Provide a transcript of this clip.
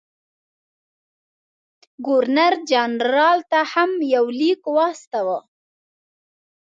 ګورنر جنرال ته هم یو لیک واستاوه.